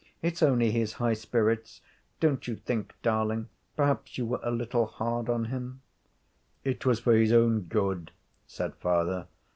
'It's only his high spirits. Don't you think, darling, perhaps you were a little hard on him?' 'It was for his own good,' said father.